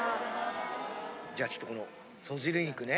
じゃあちょっとこのそずり肉ね。